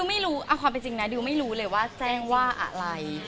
ไม่รู้เอาความเป็นจริงนะดิวไม่รู้เลยว่าแจ้งว่าอะไร